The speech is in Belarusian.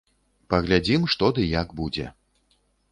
Паглядзім, што ды як будзе.